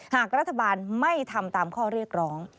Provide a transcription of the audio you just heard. หากรัฐบาลไม่ทำตามข้อเรียกร้อง